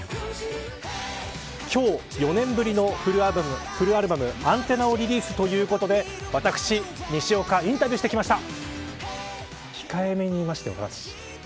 今日、４年ぶりのフルアルバムＡＮＴＥＮＮＡをリリースするということで私、西岡がインタビューしてきました。